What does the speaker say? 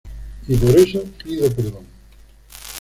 Y por eso, pido perdón.